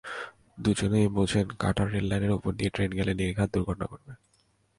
দুজনই বোঝেন কাটা রেললাইনের ওপর দিয়ে ট্রেন গেলে নির্ঘাত দুর্ঘটনা ঘটবে।